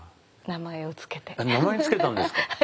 名前付けたんですか。